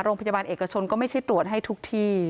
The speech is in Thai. โรงพยาบาลเอกชนก็ไม่ใช่ตรวจให้ทุกที่